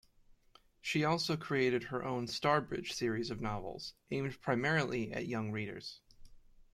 She also created her own Starbridge series of novels, aimed primarily at young readers.